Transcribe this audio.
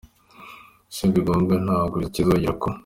se bigomwa, ntabwo kizongera ku.